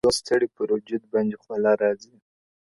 د مودو ستړي پر وجود بـانـدي خـولـه راځي!!